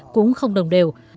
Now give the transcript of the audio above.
cũng không đồng đều